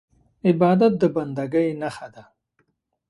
عبادت د بندګۍ نښه ده.